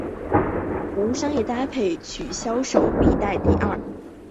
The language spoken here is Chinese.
无商业搭配曲销售历代第二。